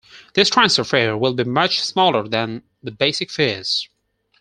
This transfer fare will be much smaller than the basic fares.